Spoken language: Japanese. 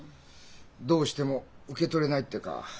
どうしても受け取れないってか？